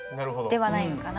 ではないのかな。